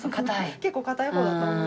結構硬い方だと思います。